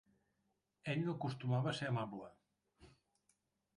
Ell no acostumava a ser amable.